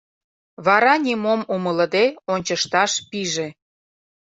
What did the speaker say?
Вара нимом умылыде ончышташ пиже.